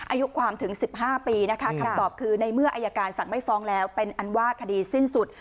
อายุความถึง๑๕ปีนะคะคำตอบคือในเมื่ออายการสั่งไม่ฟ้องแล้วเป็นอันว่าคดีสิ้นสุด